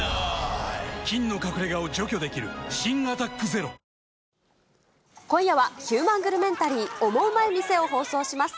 菌の隠れ家を除去できる新「アタックＺＥＲＯ」今夜は、ヒューマングルメンタリー、オモウマい店を放送します。